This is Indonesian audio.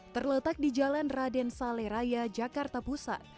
terletak di jalan raden sale raya jakarta pusat